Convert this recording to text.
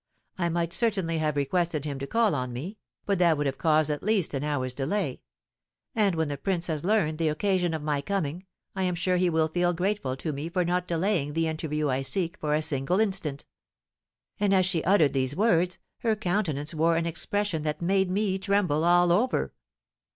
I might certainly have requested him to call on me, but that would have caused at least an hour's delay; and when the prince has learned the occasion of my coming, I am sure he will feel grateful to me for not delaying the interview I seek for a single instant.' And as she uttered these words, her countenance wore an expression that made me tremble all over."